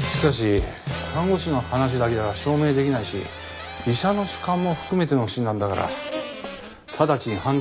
しかし看護師の話だけでは証明できないし医者の主観も含めての診断だから直ちに犯罪にはならないよ。